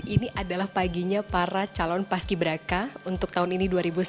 ini adalah paginya para calon paski beraka untuk tahun ini dua ribu sembilan belas